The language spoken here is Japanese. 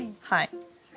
はい。